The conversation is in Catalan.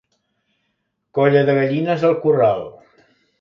Colla de gallines al corral.